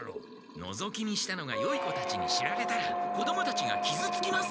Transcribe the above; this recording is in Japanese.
のぞき見したのがよい子たちに知られたら子どもたちがきずつきます！